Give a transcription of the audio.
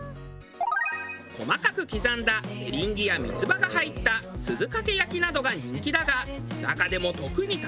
細かく刻んだエリンギや三つ葉が入ったすずかけ焼きなどが人気だが中でもおっきた！